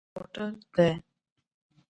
_موټر دي؟